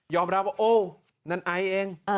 ยอมรับว่าโอ้วนั่นไอซ์เอง